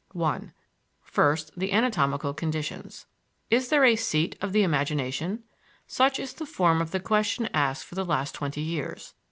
I First, the anatomical conditions. Is there a "seat" of the imagination? Such is the form of the question asked for the last twenty years.